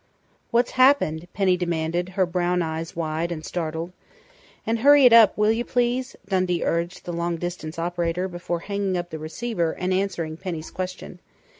"What's happened?" Penny demanded, her brown eyes wide and startled. "And hurry it up, will you, please?" Dundee urged the long distance operator before hanging up the receiver and answering Penny's question.